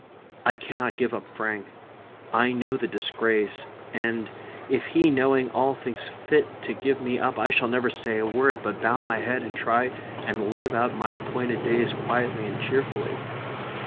I cannot give up Frank. I know the disgrace; and if he, knowing all, thinks fit to give me up, I shall never say a word, but bow my head, and try and live out my appointed days quietly and cheerfully.